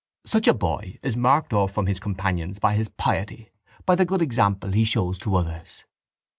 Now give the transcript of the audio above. Such a boy is marked off from his companions by his piety, by the good example he shows to others.